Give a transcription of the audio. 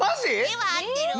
絵は合ってるわ。